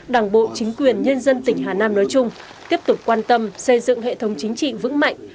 đảng bộ chính quyền nhân dân tỉnh hà nam nói chung tiếp tục quan tâm xây dựng hệ thống chính trị vững mạnh